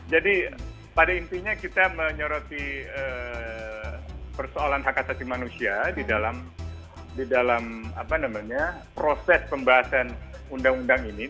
jadi pada intinya kita menyoroti persoalan hak asasi manusia di dalam proses pembahasan undang undang ini